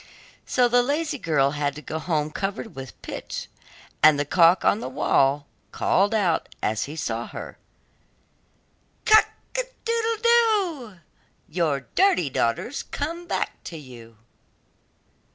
So the lazy girl had to go home covered with pitch, and the cock on the well called out as she saw her: 'Cock a doodle doo! Your dirty daughter's come back to you.